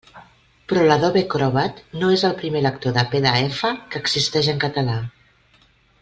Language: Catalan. Però l'Adobe Acrobat no és el primer lector de PDF que existeix en català.